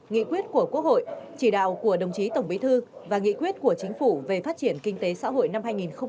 nghị quyết của quốc hội chỉ đạo của đồng chí tổng bí thư và nghị quyết của chính phủ về phát triển kinh tế xã hội năm hai nghìn hai mươi